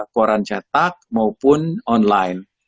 koran cetak maupun online